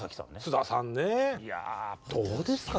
菅田さんねどうですか？